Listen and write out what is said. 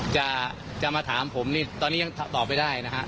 จะมาถามผมตอนนี้ยังตอบไม่ได้นะครับ